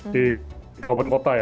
di kabupaten kota ya